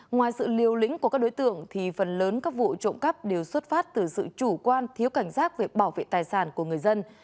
ngoài sự liều lĩnh của các đối tượng thì phần lớn các vụ trộm cắp đều xuất phát từ sự chủ quan thiếu cảnh giác về bảo vệ tài sản của người dân